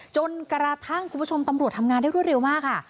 จนกระทั่งคุณผู้ชมตำรวจทำงานได้รวดเร็วมากค่ะ